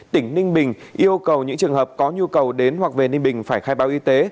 tỉnh ninh bình yêu cầu những trường hợp có nhu cầu đến hoặc về ninh bình phải khai báo y tế